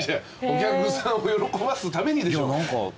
お客さんを喜ばすためにでしょ！